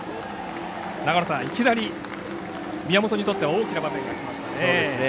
いきなり宮本にとっては大きな場面がきました。